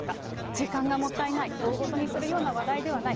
時間がもったいない、大ごとにするような話題ではない。